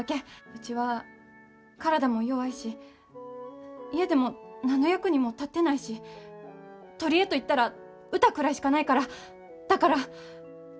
うちは体も弱いし家でも何の役にも立ってないし取り柄と言ったら歌くらいしかないからだから。